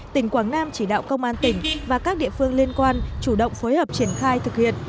tỉnh quảng nam chỉ đạo công an tỉnh và các địa phương liên quan chủ động phối hợp triển khai thực hiện